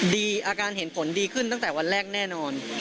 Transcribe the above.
อาการเห็นผลดีขึ้นตั้งแต่วันแรกแน่นอน